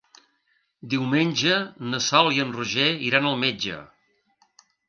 Diumenge na Sol i en Roger iran al metge.